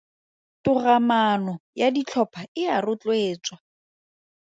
Togamaano ya ditlhopha e a rotloetswa.